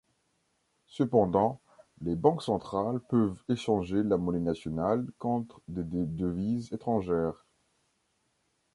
Cependant, les banques centrales peuvent échanger la monnaie nationale contre des devises étrangères.